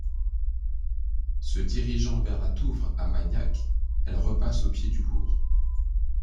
Se dirigeant vers la Touvre à Magnac, elle passe au pied du bourg.